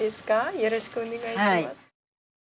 よろしくお願いします。